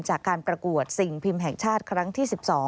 จากการประกวดสิ่งพิมพ์แห่งชาติครั้งที่๑๒